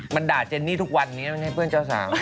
มันด่าเจนนี่ทุกวันนี้ไม่ใช่เพื่อนเจ้าสาว